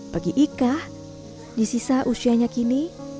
bagi ika di sisa usianya kini